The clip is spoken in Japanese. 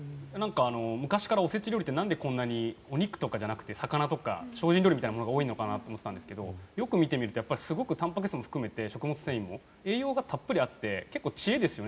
昔からお節料理ってなんでこんなにお肉とかじゃなくて魚とか精進料理みたいなものが多いのかなと思っていたんですがよく見てみるとすごくたんぱく質も含んでいて栄養もたっぷりあって結構、知恵ですよね。